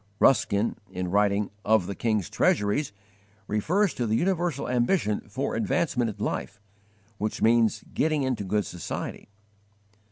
Ruskin, in writing "Of the King's Treasuries," refers to the universal ambition for 'advancement in life,' which means 'getting into good society.'